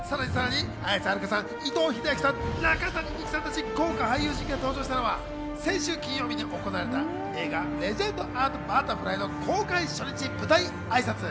さらにさらに綾瀬はるかさん、伊藤英明さん、中谷美紀さんたち豪華俳優陣が登場したのは先週金曜日に行われた映画『ＴＨＥＬＥＧＥＮＤ＆ＢＵＴＴＥＲＦＬＹ』の公開初日舞台挨拶。